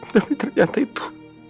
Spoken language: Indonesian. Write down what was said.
tapi ternyata itu